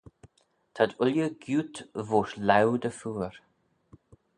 T'ad ooilley gioot voish laue dty phooar.